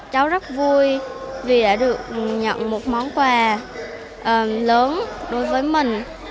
cháu rất vui vì đã được nhận một món quà lớn đối với mình